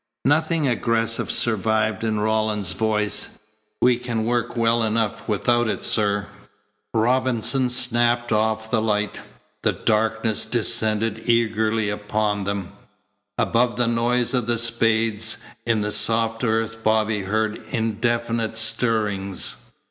Nothing aggressive survived in Rawlins's voice. "We can work well enough without it, sir." Robinson snapped off the light. The darkness descended eagerly upon them. Above the noise of the spades in the soft earth Bobby heard indefinite stirrings.